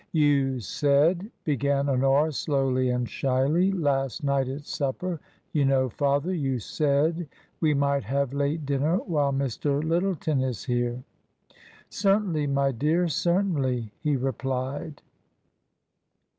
" You said*' began Honora, slowly and shyly, " last night at supper, you know, father — you said we might have late dinner while Mr. Lyttleton is here." " Certainly, my dear, certainly," he replied.